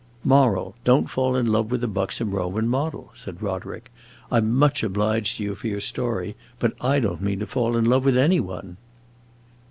"Moral: don't fall in love with a buxom Roman model," said Roderick. "I 'm much obliged to you for your story, but I don't mean to fall in love with any one."